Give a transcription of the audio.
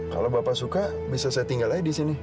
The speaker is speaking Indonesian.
kalau bapak suka bisa saya tinggal aja di sini